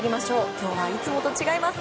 今日はいつもと違います。